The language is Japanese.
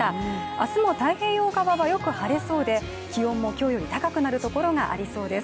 明日も、太平洋側はよく晴れそうで気温も今日より高くなるところがありそうです